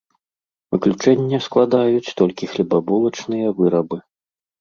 Выключэнне складаюць толькі хлебабулачныя вырабы.